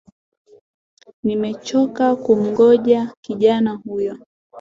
Nimechoka kumgoja kijana huyo